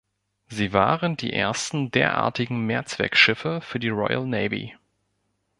Sie waren die ersten derartigen „Mehrzweck“-Schiffe für die Royal Navy.